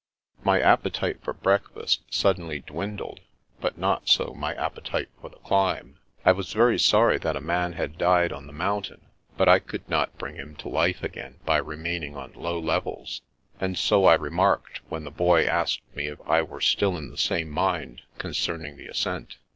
My appetite for breakfast suddenly dwindled, but not so my appetite for the climb. I was very sorry that a man had died on the mountain, but I could not bring him to life again by remaining on low levels, and so I remarked when the Boy asked me if I were still in the same mind concerning the ascent.